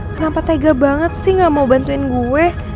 kenapa tega banget sih gak mau bantuin gue